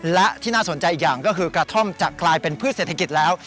และที่น่าสนใจอีกอย่างก็คือกระท่อมจะกลายเป็นพืชเศรษฐกิจแล้ว